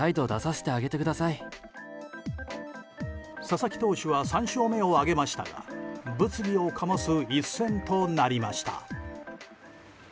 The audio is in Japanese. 佐々木投手は３勝目を挙げましたが物議を醸す一戦となりました。